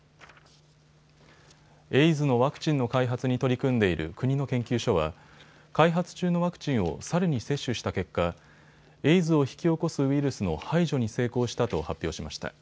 エイズのワクチンの開発に取り組んでいる国の研究所は開発中のワクチンをサルに接種した結果、エイズを引き起こすウイルスの排除に成功したと発表しました。